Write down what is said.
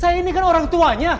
saya ini kan orang tuanya